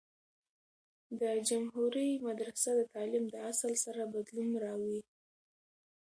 د جمهوری مدرسه د تعلیم د اصل سره بدلون راووي.